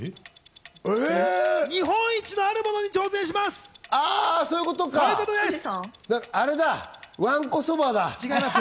日本一のあるものに挑戦します。